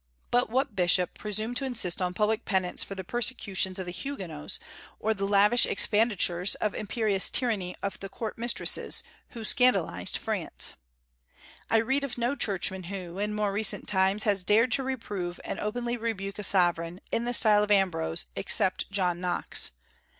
But what bishop presumed to insist on public penance for the persecutions of the Huguenots, or the lavish expenditures and imperious tyranny of the court mistresses, who scandalized France? I read of no churchman who, in more recent times, has dared to reprove and openly rebuke a sovereign, in the style of Ambrose, except John Knox.